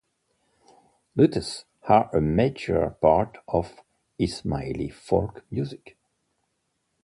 Lutes are a major part of Ismaili folk music.